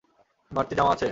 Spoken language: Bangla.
বাড়তি জামা আছে?